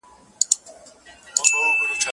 دا به شیطان وي چي د شپې بشر په کاڼو ولي